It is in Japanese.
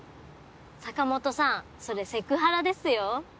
坂本さんそれセクハラですよ。